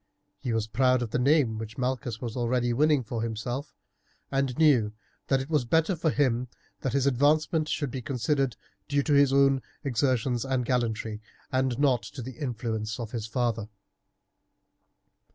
He was proud of the name which Malchus was already winning for himself, and knew that it was better for him that his advancement should be considered due to his own exertions and gallantry and not to the influence of his father.